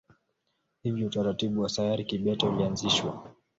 Hivyo utaratibu wa sayari kibete ulianzishwa.